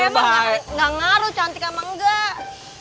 petek mah nggak ngaruh cantik apa enggak